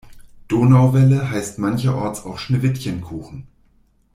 Donauwelle heißt mancherorts auch Schneewittchenkuchen.